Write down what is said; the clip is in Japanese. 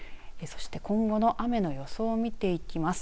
そして今後の雨の予想を見ていきます。